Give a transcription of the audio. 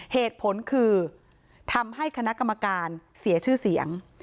เหตุผลคือทำให้คณะกรรมการเสียชื่อเสียง